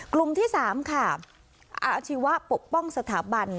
กลุ่มที่๓ค่ะอาชีวะปกป้องสถาบัน